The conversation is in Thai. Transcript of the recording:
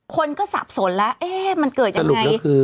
คนก็สับสนแล้วเอ๊ะมันเกิดยังไง